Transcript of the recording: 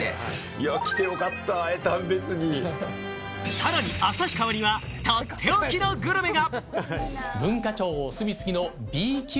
さらに旭川にはとっておきのグルメが！